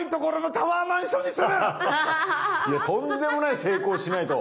いやとんでもない成功しないと！